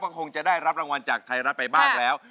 ก็คงจะได้รับรางวัลจากไทยรัฐไปบ้างแล้ว